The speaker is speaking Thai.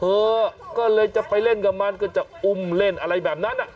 เออก็เลยจะไปเล่นกับมันก็จะอุ้มเล่นอะไรแบบนั้น